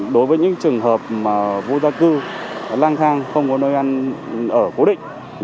đối với những trường hợp mà vô gia cư lang thang không có nơi ăn ở cố định